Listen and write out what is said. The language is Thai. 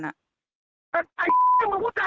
แต่ไอ้มันพูดจากนี้นะ